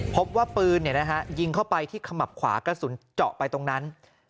พบว่าปืนยิงเข้าไปที่ขมับขวากระสุนเจาะไปตรงนั้น